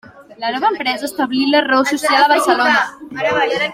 La nova empresa establí la raó social a Barcelona.